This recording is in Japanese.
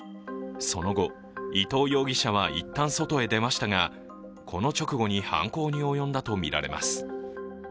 その後、伊藤容疑者は一旦外へ出ましたがその直後、犯行に及んだとみられます。